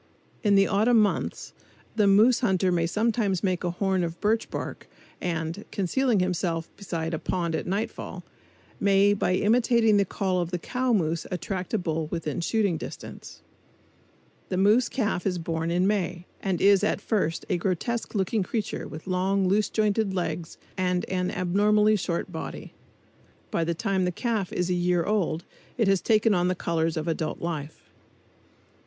In the autumn months the moose hunter may sometimes make a horn of birch bark and, concealing himself beside a pond at nightfall, may by imitating the call of the cow moose attract a bull within shooting distance. The moose calf is born in May and is at first a grotesque looking creature with long, loose jointed legs and an abnormally short body. By the time the calf is a year old it has taken on the colors of adult life.